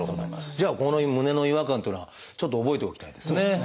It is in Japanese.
じゃあこの胸の違和感っていうのはちょっと覚えておきたいですね。